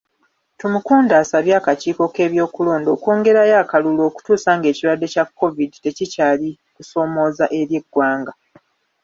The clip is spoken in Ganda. Tumukunde asabye akakiiko k'ebyokulonda okwongerayo akalulu okutuusa ng'ekirwadde kya COVID tekikyali kusoomooza eri eggwanga.